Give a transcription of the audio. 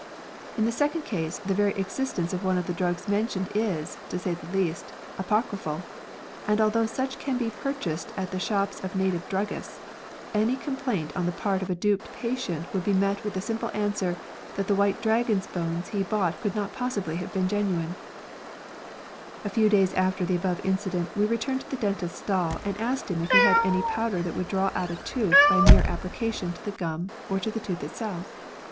In the second case, the very existence of one of the drugs mentioned is, to say the least, apocryphal ; and although such can be pur chased at the shops of native druggists, any complaint on the part of a duped patient would be met by the simple answer, that the white dragon's bones he bought could not possibly have been genuine I A few days after the above incident, we returned to the dentist's stall, and asked him if he had any powder that would draw out a tooth by mere appli cation to the gum or to the tooth itself